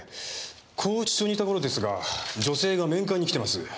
拘置所にいた頃ですが女性が面会に来てます。